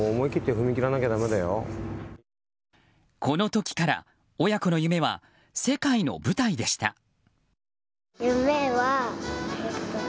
この時から親子の夢は世界の舞台でした。